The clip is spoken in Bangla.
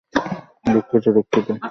দুঃখিত, দুঃখিত!